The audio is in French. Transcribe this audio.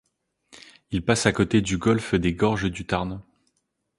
Il passe à côté du Golf des Gorges du Tarn.